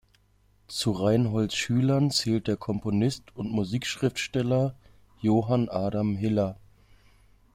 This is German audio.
Zu Reinholds Schülern zählt der Komponist und Musikschriftsteller Johann Adam Hiller.